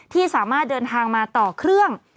ที่สามารถเดินทางมาต่อเครื่อง